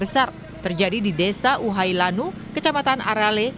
besar terjadi di desa uhailanu kecamatan arale